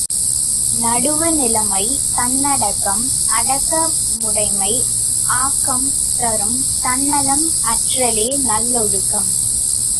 நடுவு நிலைமை தன்னடக்கம் அடக்கமுடைமை ஆக்கம் தரும் தன்னலம் அற்றலே நல்லொழுக்கம்!